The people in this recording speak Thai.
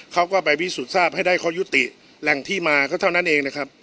เขาก็ไปพิสูจน์ทราบให้ได้ข้อยุติแหล่งที่มาก็เท่านั้นเองนะครับ